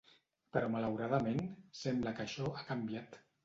Però malauradament, sembla que això ha canviat.